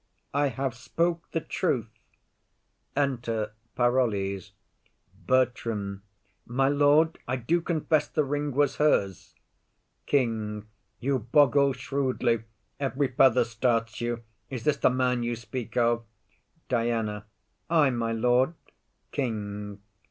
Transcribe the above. I have spoke the truth. Enter Attendant with Parolles. BERTRAM. My lord, I do confess the ring was hers. KING. You boggle shrewdly; every feather starts you. Is this the man you speak of? DIANA. Ay, my lord. KING.